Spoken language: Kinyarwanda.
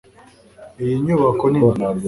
iyi nyubako nini